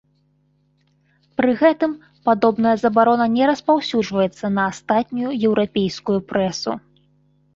Пры гэтым падобная забарона не распаўсюджваецца на астатнюю еўрапейскую прэсу.